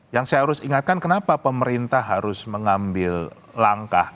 yang saya harus ingatkan kenapa pemerintah harus mengambil langkah